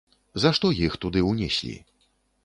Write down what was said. За што іх туды ўнеслі?